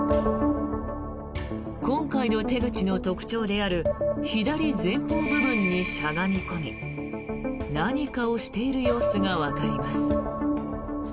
今回の手口の特徴である左前方部分にしゃがみ込み何かをしている様子がわかります。